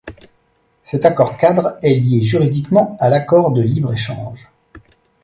Cet accord-cadre est lié juridiquement à l'accord de libre-échange.